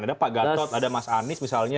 ada pak gatot ada mas anies misalnya